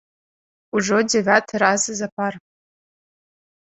Ужо дзевяты раз запар.